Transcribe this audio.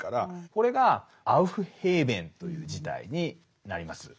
これがアウフヘーベンという事態になります。